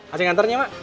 aceh nganternya mak